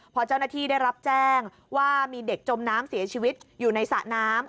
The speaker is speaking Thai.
พอเจ้าหน้าที่ได้รับแจ้งว่ามีเด็กจมน้ำเสียชีวิตอยู่ในสระน้ำ